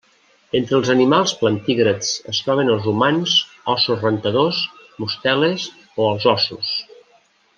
Entre els animals plantígrads es troben els humans, óssos rentadors, mosteles o els óssos.